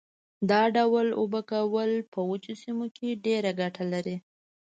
دا ډول اوبه کول په وچو سیمو کې ډېره ګټه لري.